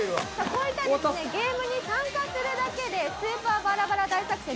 こういったゲームに参加するだけで「スーパーバラバラ大作戦」